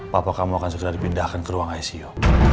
papa kamu akan segera dipindahkan ke ruang icu